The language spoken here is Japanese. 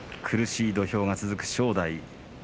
苦しい土俵が続く正代。